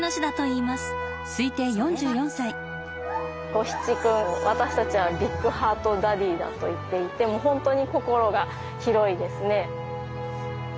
ゴヒチ君私たちはビッグハートダディだと言っていて本当に心が広いですね。